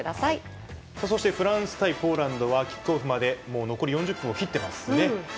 フランス対ポーランドはキックオフまでもう残り４０分を切ってますね。